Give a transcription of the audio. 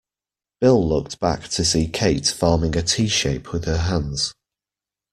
Bill looked back to see Kate forming a T-shape with her hands.